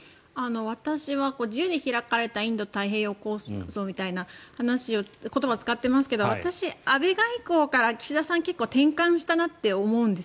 私は、自由で開かれたインド太平洋構想みたいな言葉を使ってますけど私、安倍外交から岸田さんは結構転換したなと思うんです。